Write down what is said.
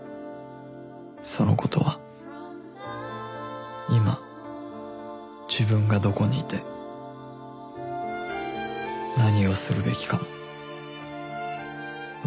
その事は今自分がどこにいて何をするべきかもわからなくさせた